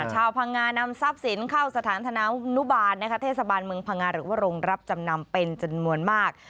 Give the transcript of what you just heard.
ชาวพังงานำทรัพย์สินเข้าสถานธนานุบาลเทศบาลเมืองพังงาหรือว่าโรงรับจำนำเป็นจำนวนมาก